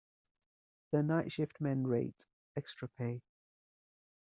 The night shift men rate extra pay.